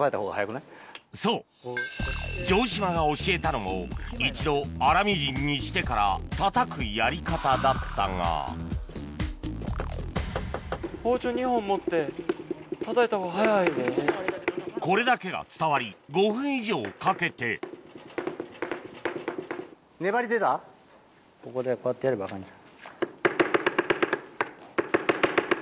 そう城島が教えたのも一度粗みじんにしてからたたくやり方だったがこれだけが伝わり５分以上かけてここでこうやってやれば分かんじゃん。